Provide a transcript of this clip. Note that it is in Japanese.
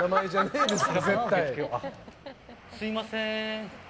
すみません。